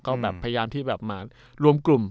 ก็แบบพยายามที่แบบมารวมกลุ่ม